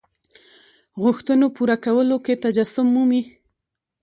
غوښتنو پوره کولو کې تجسم مومي.